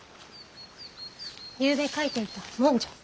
ゆうべ書いていた文書。